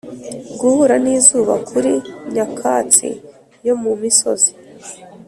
guhura n'izuba kuri nyakatsi yo mu misozi;